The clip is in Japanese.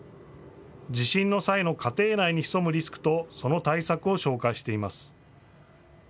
地震の際の家庭内に潜むリスクとその対策を紹介しています。